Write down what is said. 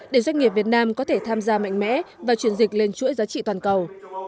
để doanh nghiệp việt nam có thể tham gia mạnh mẽ và chuyển dịch lên chuỗi giá trị toàn cầu